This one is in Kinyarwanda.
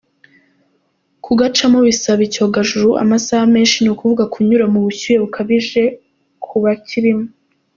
Kugacamo bisaba icyogajuru amasaha menshi ni ukuvuga kunyura mu bushyuhe bukabije kubakirimo.